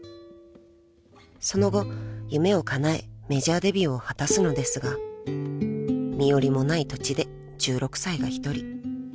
［その後夢をかなえメジャーデビューを果たすのですが身寄りもない土地で１６歳が一人］